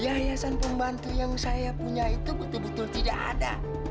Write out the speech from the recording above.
yayasan pembantu yang saya punya itu betul betul tidak ada